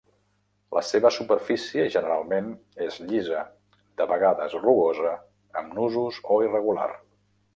La seva superfície generalment és llisa, de vegades rugosa, amb nusos o irregular.